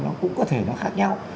nó cũng có thể khác nhau